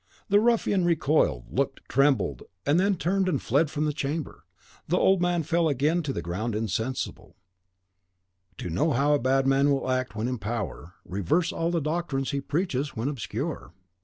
The ruffian recoiled, looked, trembled, and then turned and fled from the chamber. The old man fell again to the ground insensible. CHAPTER 1.VIII. To know how a bad man will act when in power, reverse all the doctrines he preaches when obscure.